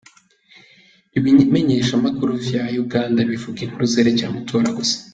Ibimenyeshamakuru vya Uganda bivuga inkuru zerekeye amatora gusa.